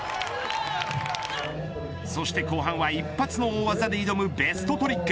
そして後半は一発の大技で挑むベストトリック。